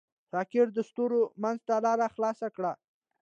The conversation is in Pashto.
راکټ د ستورو منځ ته لاره خلاصه کړه